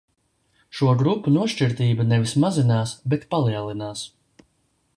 Šo grupu nošķirtība nevis mazinās, bet palielinās.